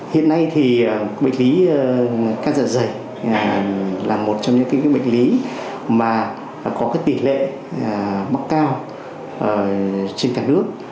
hiện nay thì bệnh lý can dạ dày là một trong những bệnh lý mà có tỷ lệ mắc cao trên cả nước